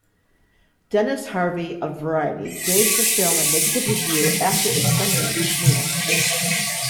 Dennis Harvey of "Variety" gave the film a negative review after its Sundance premiere.